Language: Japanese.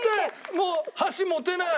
もう箸持てない。